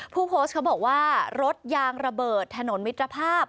ผู้โพสต์เขาบอกว่ารถยางระเบิดถนนมิตรภาพ